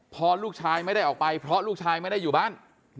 พอลูกชายไม่ได้ออกไปเพราะลูกชายไม่ได้อยู่บ้าน